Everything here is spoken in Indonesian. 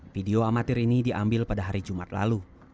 video amatir ini diambil pada hari jumat lalu